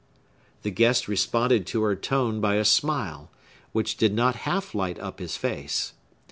The guest responded to her tone by a smile, which did not half light up his face.